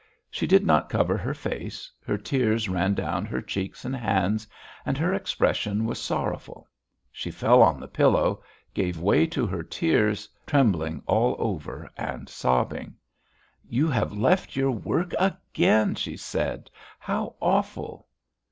She did not cover her face, her tears ran down her cheeks and hands, and her expression was sorrowful. She fell on the pillow, gave way to her tears, trembling all over and sobbing. "You have left your work again!" she said. "How awful!"